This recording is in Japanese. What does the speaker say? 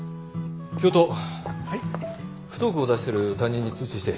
不登校を出してる担任に通知して。